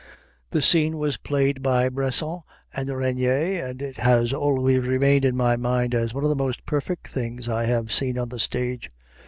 The scene was played by Bressant and Regnier, and it has always remained in my mind as one of the most perfect things I have seen on the stage.